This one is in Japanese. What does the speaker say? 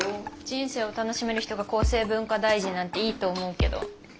人生を楽しめる人が厚生文化大臣なんていいと思うけど。